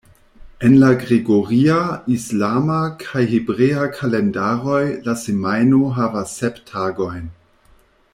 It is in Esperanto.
En la gregoria, islama kaj hebrea kalendaroj la semajno havas sep tagojn.